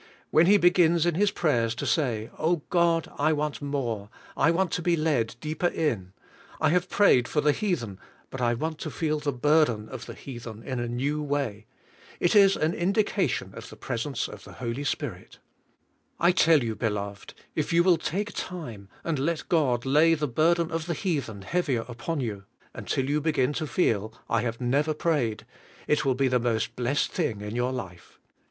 When he begins in his prayers to say, "Oh, God, I want more, I want to be led deeper in. I have prayed for the heathen, but I want to feel the burden of the heathen in a new way," it is an indication of the presence of the Holy Spirit, I tell you, beloveds if you will take rilE so URCE OF PO WER IN PR A \ ER 159 time and let God lay the burden of the heathen heavier upon you until you begin to feel, " I have never prayed," it will be the most blessed thing in your life.